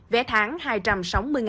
vé tháng hai trăm sáu mươi đồng